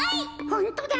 ホントだ！